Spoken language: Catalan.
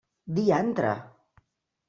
Diantre!